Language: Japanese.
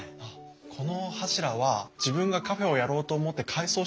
この柱は自分がカフェをやろうと思って改装した時に出てきたんですよ。